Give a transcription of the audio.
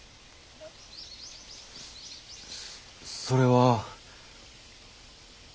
そそれは。